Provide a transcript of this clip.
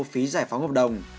phí giải phóng hợp đồng